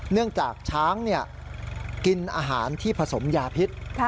เนื่องจากช้างกินอาหารที่ผสมยาพิษ